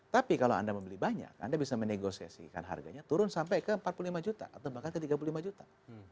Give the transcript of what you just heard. tapi kalau anda membeli banyak anda bisa menegosiasikan harganya turun sampai ke empat puluh lima juta atau bahkan ke tiga puluh lima juta